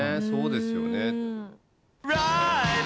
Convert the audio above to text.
そうですよね。